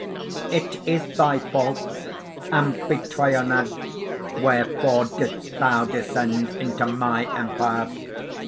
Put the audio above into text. "It is thy fault, Amphytrionad; wherefore didst thou descend into my empire?